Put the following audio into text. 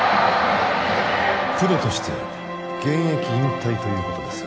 プロとして現役引退ということです